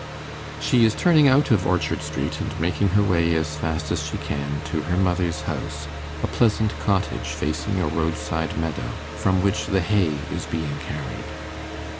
She is turning out of Orchard Street, and making her way as fast as she can to her mother's house, a pleasant cottage facing a roadside meadow, from which the hay is being carried.